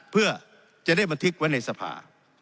เพื่อจะได้บันทึกไว้ในสภา